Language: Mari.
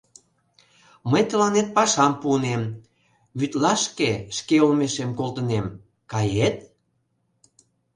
Мый тыланет пашам пуынем: Вӱтлашке шке олмешем колтынем, кает?